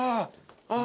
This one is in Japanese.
あ。